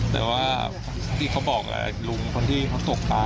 แต่ว่าที่เขาบอกลุงคนที่เขาตกปลา